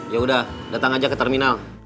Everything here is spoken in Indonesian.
yaudah datang aja ke terminal